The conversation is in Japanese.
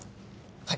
はい。